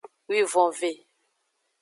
Wivonve.